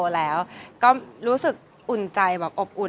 แล้วก็เรียนรู้สึกอุ่นใจอบอุ่น